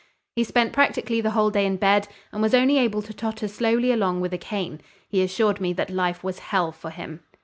He spent practically the whole day in bed and was only able to totter slowly along with a cane. He assured me that life was hell for him.